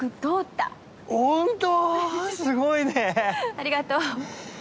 ありがとう。